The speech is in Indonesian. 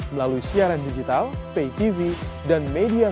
bisa kita hadir mereka